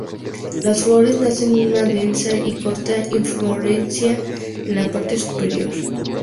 Las flores nacen en una densa y corta inflorescencia en la parte superior.